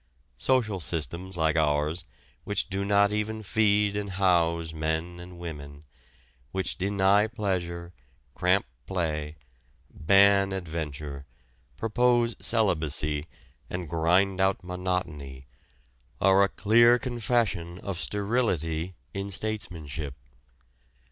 Social systems like ours, which do not even feed and house men and women, which deny pleasure, cramp play, ban adventure, propose celibacy and grind out monotony, are a clear confession of sterility in statesmanship.